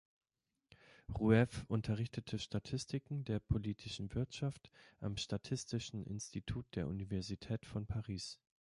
Rueff unterrichtete Statistiken der politischen Wirtschaft am statistischen Institut der Universität von Paris.